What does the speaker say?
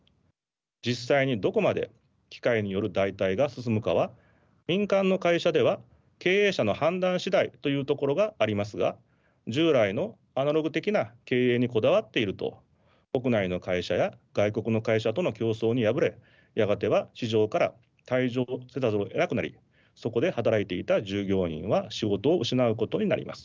実際にどこまで機械による代替が進むかは民間の会社では経営者の判断次第というところがありますが従来のアナログ的な経営にこだわっていると国内の会社や外国の会社との競争に敗れやがては市場から退場せざるをえなくなりそこで働いていた従業員は仕事を失うことになります。